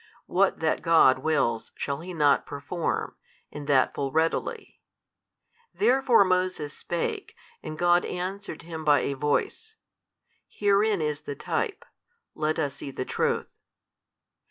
What that God wills shall He not perform, and that full readily? Therefore Moses spake, and God answered him by a voice. Herein is the type, let us see the truth.